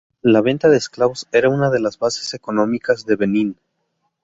La venta de esclavos era una de las bases económicas de Benín.